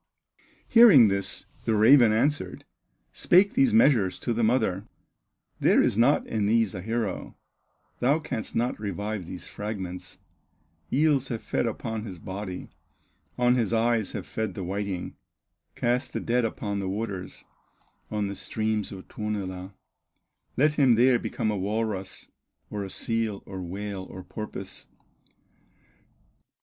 Hearing this, the raven answered, Spake these measures to the mother: "There is not in these a hero, Thou canst not revive these fragments; Eels have fed upon his body, On his eyes have fed the whiting; Cast the dead upon the waters, On the streams of Tuonela, Let him there become a walrus, Or a seal, or whale, or porpoise."